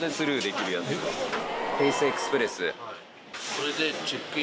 これで。